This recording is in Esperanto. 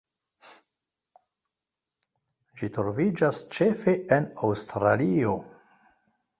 Ĝi troviĝas ĉefe en Aŭstralio.